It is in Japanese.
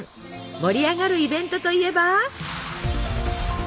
盛り上がるイベントといえば。